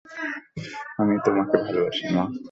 আমিও তোমাকে ভালোবাসি, মা।